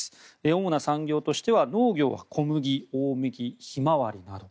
主な産業としては農業は小麦、大麦、ヒマワリなど。